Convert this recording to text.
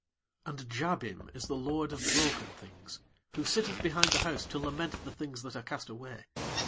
And Jabim is the Lord of broken things, who sitteth behind the house to lament the things that are cast away.